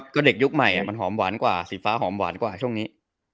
ก็เด็กยุคใหม่มันหอมหวานกว่าสีฟ้าหอมหวานกว่าช่วงนี้